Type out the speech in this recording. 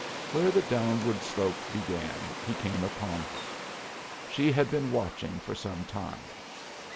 Where the downward slope began he came upon her. She had been watching for some time.